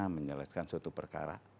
menyelesaikan suatu perkara